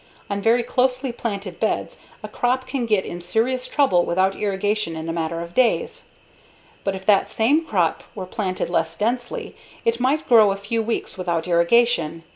On very closely planted beds a crop can get in serious trouble without irrigation in a matter of days. But if that same crop were planted less densely, it might grow a few weeks without irrigation.